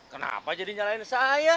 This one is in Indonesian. kenapa jadi nyalain saya